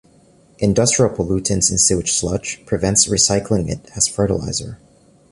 Industrial pollutants in sewage sludge prevents recycling it as fertilizer.